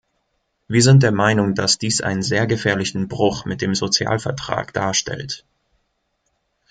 Wir sind der Meinung, dass dies einen sehr gefährlichen Bruch mit dem Sozialvertrag darstellt.